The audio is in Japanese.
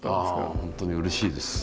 本当にうれしいです。